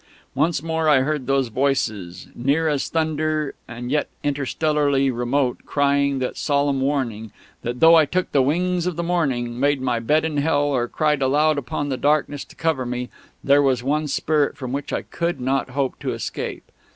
Once more I heard those voices, near as thunder and yet interstellarly remote, crying that solemn warning, that though I took the Wings of the Morning, made my bed in Hell, or cried aloud upon the darkness to cover me, there was one Spirit from which I could not hope to escape.